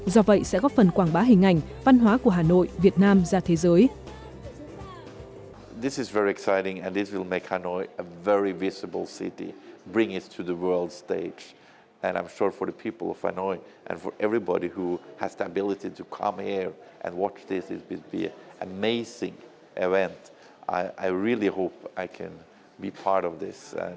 do vậy sẽ có phần quảng bá hình ảnh văn hóa của hà nội việt nam ra thế giới